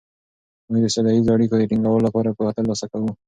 موږ د سوله ییزو اړیکو د ټینګولو لپاره پوهه ترلاسه کوو.